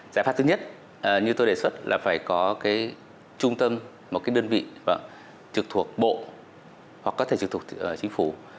giải pháp thứ nhất như tôi đề xuất là phải có cái trung tâm một cái đơn vị trực thuộc bộ hoặc có thể trực thuộc chính phủ